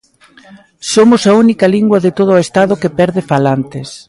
Somos a única lingua de todo o Estado que perde falantes.